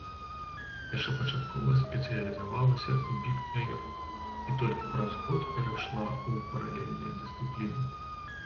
Першапачаткова спецыялізавалася ў біг-эйр і толькі праз год перайшла ў паралельныя дысцыпліны.